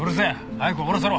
早く終わらせろ。